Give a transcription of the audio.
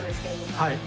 はい。